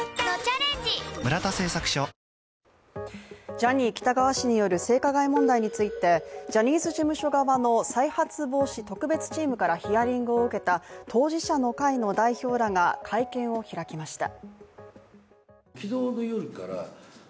ジャニー喜多川氏による性加害問題についてジャニーズ事務所側の再発防止特別チームからヒアリングを受けた当事者の会の代表らが会見を開きました。